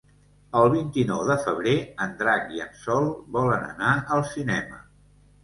El vint-i-nou de febrer en Drac i en Sol volen anar al cinema.